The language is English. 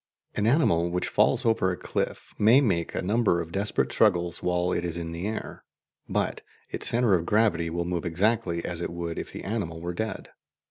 An animal which falls over a cliff may make a number of desperate struggles while it is in the air, but its centre of gravity will move exactly as it would if the animal were dead.